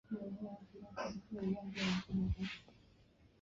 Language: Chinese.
威灵顿是位于英格兰索美塞特郡的一个城市。